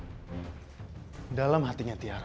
afif dalam hatinya tiara